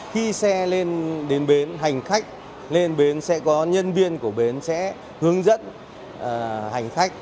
khi xe lên đến bến hành khách lên bến sẽ có nhân viên của bến sẽ hướng dẫn hành khách